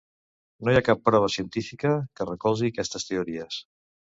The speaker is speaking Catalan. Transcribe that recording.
No hi ha cap prova científica que recolzi aquestes teories.